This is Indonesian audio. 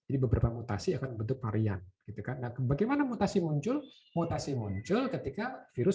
di beberapa mutasi akan bentuk varian bagaimana mutasi muncul mutasi muncul ketika virus